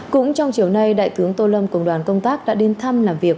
cũng trong chiều nay đại tướng tô lâm công đoàn công tác đã đi thăm làm việc